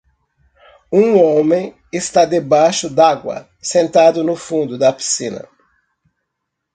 um homem está debaixo d'água sentado no fundo da piscina